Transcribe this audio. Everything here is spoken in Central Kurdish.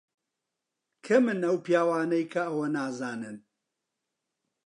کەمن ئەو پیاوانەی کە ئەوە نازانن.